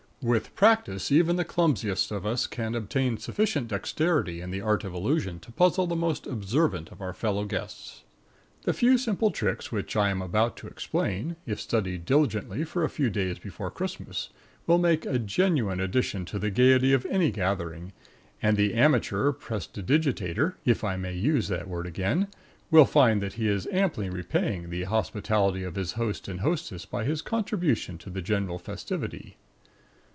With practice even the clumsiest of us can obtain sufficient dexterity in the art of illusion to puzzle the most observant of our fellow guests. The few simple tricks which I am about to explain, if studied diligently for a few days before Christmas, will make a genuine addition to the gaiety of any gathering, and the amateur prestidigitator (if I may use that word again) will find that he is amply repaying the hospitality of his host and hostess by his contribution to the general festivity.